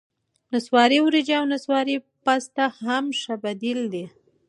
نسواري ورېجې او نسواري پاستا هم ښه بدیل دي.